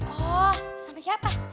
oh sama siapa